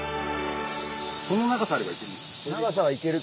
この長さあればいける？